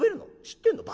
知ってんの？